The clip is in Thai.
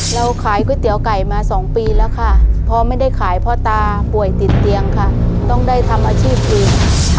เราขายก๋วยเตี๋ยวไก่มา๒ปีแล้วค่ะพอไม่ได้ขายพ่อตาป่วยติดเตียงค่ะต้องได้ทำอาชีพอื่น